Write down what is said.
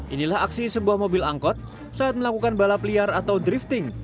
inilah aksi sebuah mobil angkot saat melakukan balap liar atau drifting